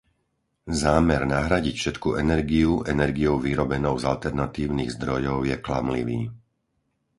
Zámer nahradiť všetku energiu energiou vyrobenou z alternatívnych zdrojov je klamlivý.